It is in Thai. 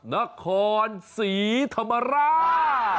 นครศรีธรรมราช